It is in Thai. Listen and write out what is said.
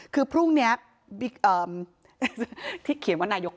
คือพรุ่งนี้